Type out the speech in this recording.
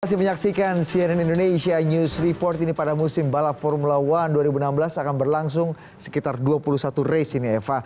masih menyaksikan cnn indonesia news report ini pada musim balap formula one dua ribu enam belas akan berlangsung sekitar dua puluh satu race ini eva